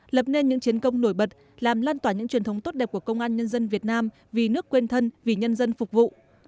lập nên những chiến công nổi bật làm lan tỏa những truyền thống tốt đẹp của công an nhân dân việt nam vì nước quên thân vì nhân dân phục vụ